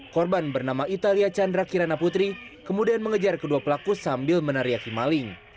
korban bernama italia chandra kirana putri kemudian mengejar kedua pelaku sambil menariaki maling